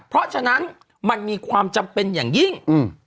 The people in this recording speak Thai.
เพราะฉะนั้นมันมีความจำเป็นอย่างยิ่งอืม